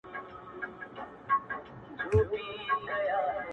o خداى وايي ته حرکت کوه، زه به برکت کوم.